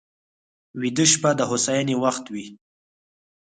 ویده شپه د هوساینې وخت وي